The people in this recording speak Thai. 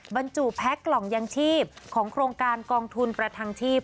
บรรจุแพ็คกล่องยางชีพของโครงการกองทุนประทังชีพ